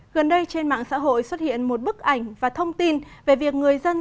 gần đây trên mạng xã hội xuất hiện một bức ảnh và thông tin về việc người dân